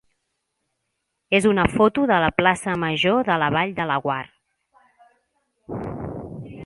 és una foto de la plaça major de la Vall de Laguar.